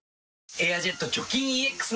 「エアジェット除菌ＥＸ」